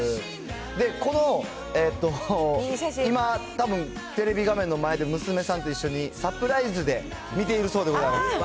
で、この、えっと、今、たぶん、テレビ画面の前で、娘さんと一緒に、サプライズで見ているそうでございます。